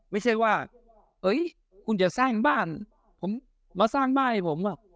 ไม่ใช่ว่าเฮ้ยคุณจะสร้างบ้านผมมาสร้างบ้านให้ผมหรอก